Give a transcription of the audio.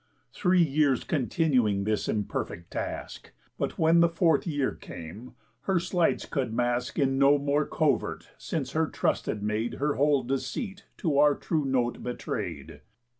Three years continuing this imperfect task; But when the fourth year came her sleights could mask In no more covert, since her trusted maid Her whole deceit to our true note betray'd.